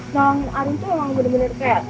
kang arin tuh emang bener bener kayak